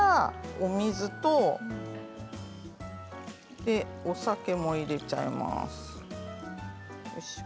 お水とお酒も入れちゃいます。